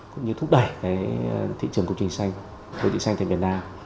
cũng như thúc đẩy cái thị trường công trình xanh đô thị xanh thành việt nam